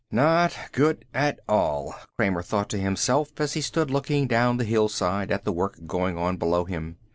Not good at all, Kramer thought to himself, as he stood looking down the hillside at the work going on below him.